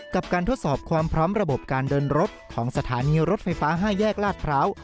กับการทดสอบความพร้อมระบบการเดินรถของสถานีรถไฟฟ้า๕แยกลาดพร้าว